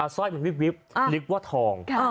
ซ่อยมันวิบวิบวิบรีบว่าทอง